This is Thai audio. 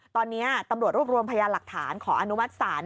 ตอนนี้ตำรวจรวมพยายามหลักฐานขออันวัดสาร